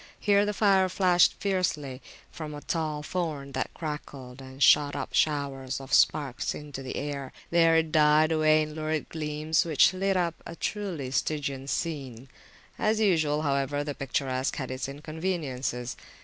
Here the fire flashed fiercely from a tall thorn, that crackled and shot up showers of sparks into the air; there it died away in lurid gleams, which lit up a truly Stygian scene. As usual, however, the picturesque had its inconveniences.